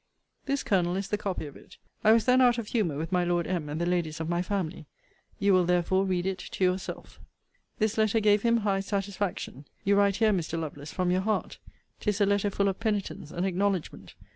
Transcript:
'This, Colonel, is the copy of it. I was then out of humour with my Lord M. and the ladies of my family. You will, therefore, read it to yourself.'* * See Vol. VII. Letter LXXIX. This letter gave him high satisfaction. You write here, Mr. Lovelace, from your heart. 'Tis a letter full of penitence and acknowledgement.